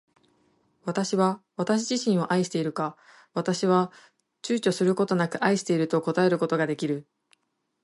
私は私自身を愛しているか。私は躊躇ちゅうちょすることなく愛していると答えることが出来る。